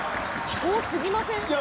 「遠すぎません？」